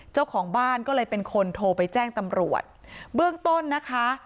เจ้าของบ้านก็เลยเป็นคนโทรไปแจ้งตำรวจเบื้องต้นนะคะ